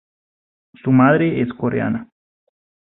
Su madre es coreana.